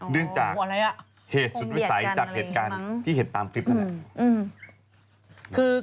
เนื่องจากเหตุสุดวิสัยจากเหตุการณ์ที่เห็นตามคลิปนั่นแหละ